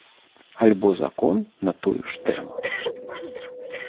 Альбо закон на тую ж тэму.